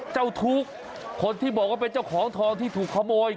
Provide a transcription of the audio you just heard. เจ้าทุกข์คนที่บอกว่าเป็นเจ้าของทองที่ถูกขโมย